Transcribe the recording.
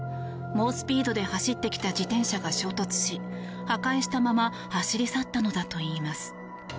猛スピードで走ってきた自転車が衝突し破壊したまま走り去ったのだといいます。